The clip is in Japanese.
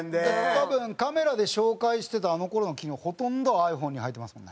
多分カメラで紹介してたあの頃の機能ほとんどｉＰｈｏｎｅに入ってますもんね。